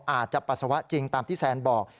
อาจจะปัสสาวะจริงตามที่แซนบอก